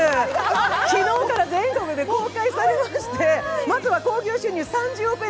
昨日から全国で公開されまして、まずは興行収入３０億円